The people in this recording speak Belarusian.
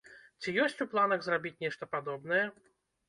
Ці ёсць у планах зрабіць нешта падобнае?